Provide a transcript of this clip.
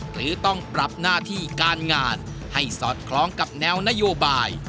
หรือต้องปรับหน้าที่การงานให้สอดคล้องกับแนวนโยบาย